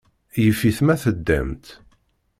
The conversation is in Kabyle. Yif-it ma teddamt.